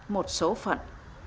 một số phận